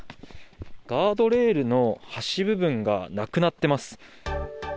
ガードレールの端部分がなくなっています。